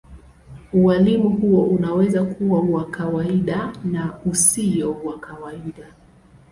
Ualimu huo unaweza kuwa wa kawaida na usio wa kawaida.